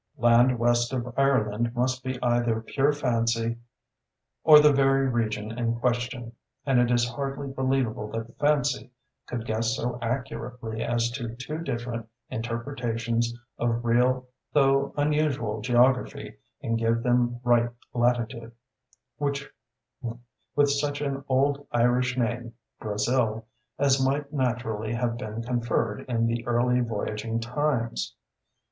Land west of Ireland must be either pure fancy or the very region in question, and it is hardly believable that fancy could guess so accurately as to two different interpretations of real though unusual geography and give them right latitude, with such an old Irish name (Brazil) as might naturally have been conferred in the early voyaging times.